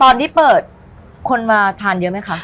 ตอนที่เปิดคนมาทานเยอะไหมคะ